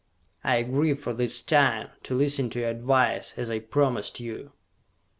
"I agree, for this time, to listen to your advice, as I promised you!"